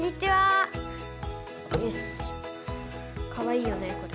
かわいいよねこれ。